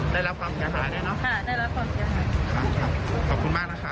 ได้รับความเสียหายด้วยเนอะค่ะได้รับความเสียหาย